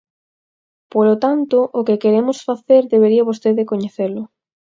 Polo tanto, o que queremos facer debería vostede coñecelo.